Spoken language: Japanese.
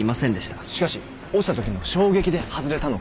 しかし落ちたときの衝撃で外れたのかも。